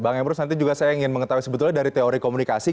bang emrus nanti juga saya ingin mengetahui sebetulnya dari teori komunikasi